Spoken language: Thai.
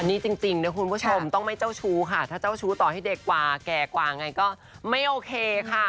อันนี้จริงนะคุณผู้ชมถ้าเจ้าชู้ต่อให้เด็กกว่าแก่กว่าไงก็ไม่โอเคค่ะ